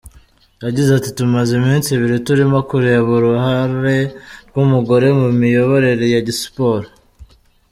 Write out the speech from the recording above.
Yagize ati “Tumaze iminsi ibiri turimo kureba uruhare rw’umugore mu miyoborere ya siporo.